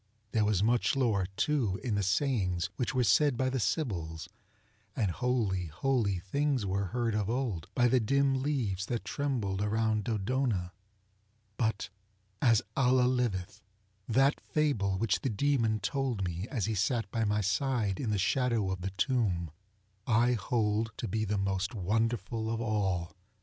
There was much lore too in the sayings which were said by the Sybils; and holy, holy things were heard of old by the dim leaves that trembled around DodonaŌĆöbut, as Allah liveth, that fable which the Demon told me as he sat by my side in the shadow of the tomb, I hold to be the most wonderful of all!